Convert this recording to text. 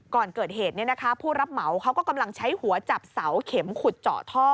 ก่อนเกิดเหตุผู้รับเหมาเขาก็กำลังใช้หัวจับเสาเข็มขุดเจาะท่อ